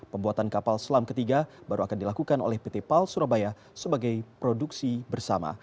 pembuatan kapal selam ketiga baru akan dilakukan oleh pt pal surabaya sebagai produksi bersama